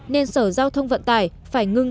nên sở giao thông vận tải phải ngưng